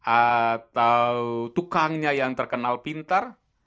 atau tukangnya yang terkenal pintar